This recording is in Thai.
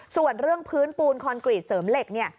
ส่วนเรื่องพื้นปูนคอนกรีตเสริมเหล็กเนี่ย